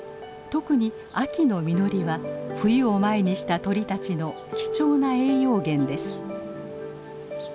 特に秋の実りは冬を前にした鳥たちの貴重な栄養源です。